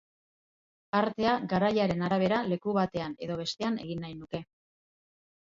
Artea garaiaren arabera leku batean edo bestean egin nahi nuke.